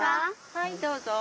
はいどうぞ。